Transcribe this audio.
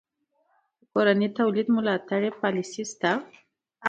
د کورني تولید ملاتړ پالیسي شته؟